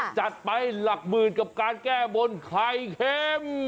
จัดไปหลักหมื่นกับการแก้บนไข่เค็ม